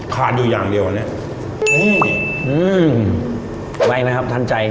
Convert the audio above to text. ขาดอยู่อย่างเดียวอันเนี้ยอืมไว้ไหมครับทันใจ